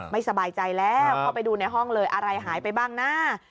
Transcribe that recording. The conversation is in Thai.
ไม่สบายใจแล้วเข้าไปดูในห้องเลยอะไรหายไปบ้างนะ